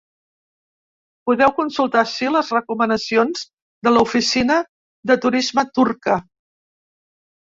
Podeu consultar ací les recomanacions de l’oficina de turisme turca.